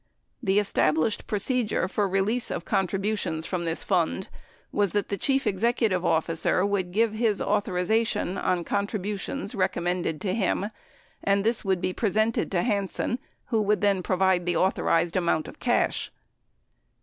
The established procedure for release of contribu tions from this fund was that the chief executive officer would give his authorization on contributions recommended to him, and this would be presented to Hansen who would then provide the authorized amount of cash.